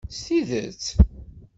S tidett?